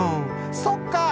「そっかー」。